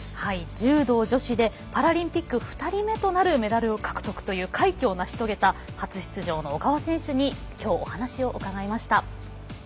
柔道女子でパラリンピック２人目となるメダルを獲得という快挙を成し遂げた初出場の小川選手にきょう、お話を伺いました。